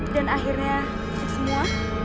dan akhirnya itu semua